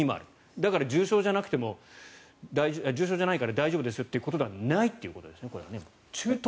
だから重症じゃないから大丈夫ですよということではないということですね。